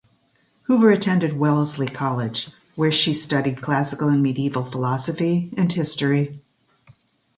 Hoover attended Wellesley College where she studied classical and medieval philosophy and history.